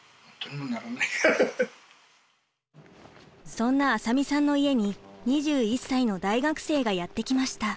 そんな浅見さんの家に２１歳の大学生がやって来ました。